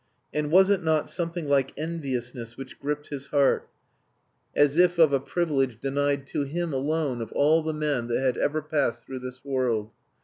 And was it not something like enviousness which gripped his heart, as if of a privilege denied to him alone of all the men that had ever passed through this world?